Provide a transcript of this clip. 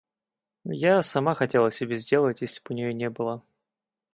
Я сама хотела себе сделать, если б у ней не было.